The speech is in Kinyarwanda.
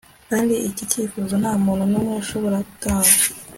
kandi iki nicyifuzo ntamuntu numwe ushobora gutanga